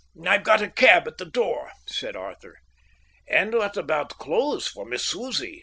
"I've got a cab at the door," said Arthur. "And what about clothes for Miss Susie?"